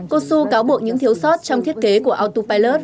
cô su cáo buộc những thiếu sót trong thiết kế của autopilot